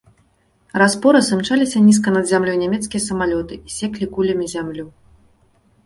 Раз-пораз імчаліся нізка над зямлёй нямецкія самалёты і секлі кулямі зямлю.